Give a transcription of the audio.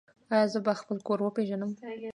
ایا زه به خپل کور وپیژنم؟